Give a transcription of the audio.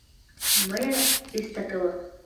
مه يې ايسته کوه